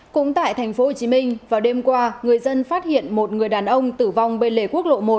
cũng tại tp hcm vào đêm qua người dân phát hiện một người đàn ông tử vong bên lề quốc lộ một